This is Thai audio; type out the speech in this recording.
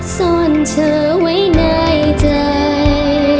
ซ่อนเธอไว้ในใจ